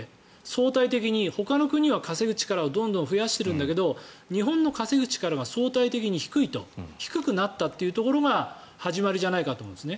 相対的にほかの国は稼ぐ力をどんどん増やしているんだけど日本の稼ぐ力が相対的に低いと低くなったというところが始まりじゃないかと思うんです。